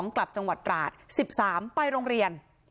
กลับจังหวัดตราด๑๓ไปโรงเรียน